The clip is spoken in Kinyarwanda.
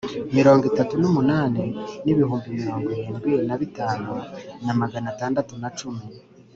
Mirongo itatu n umunani n ibihumbi mirongo irindwi na bitanu na magana atandatu na cumi